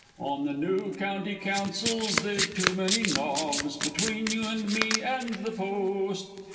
_) On the noo County Councils they've too many nobs, Between you and me and the Post!